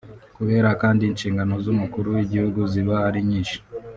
Kubera kandi inshingano z’Umukuru w’igihugu ziba ari nyinshi